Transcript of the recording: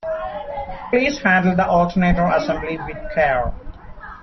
Please handle the alternator assembly with care.